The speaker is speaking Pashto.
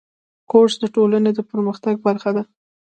کورس د ټولنې د پرمختګ برخه ده.